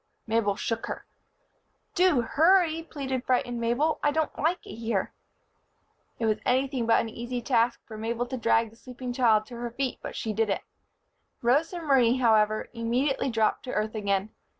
Mabel shook her. "Do hurry," pleaded frightened Mabel. "I don't like it here." It was anything but an easy task for Mabel to drag the sleeping child to her feet, but she did it. Rosa Marie, however, immediately dropped to earth again.